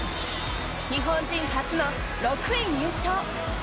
日本人初の６位入賞。